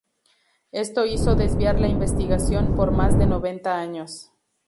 Esto hizo desviar la investigación por más de noventa años.